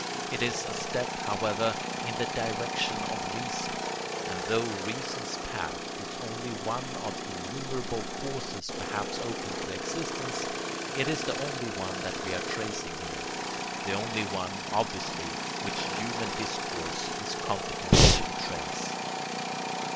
It is a step, however, in the direction of reason; and though reason's path is only one of innumerable courses perhaps open to existence, it is the only one that we are tracing here; the only one, obviously, which human discourse is competent to trace.